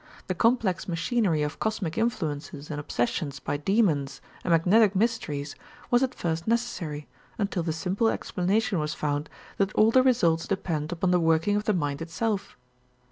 The complex machinery of cosmic influences and obsessions by demons and magnetic mysteries was at first necessary until the simple explanation was found that all the results depend upon the working of the mind itself.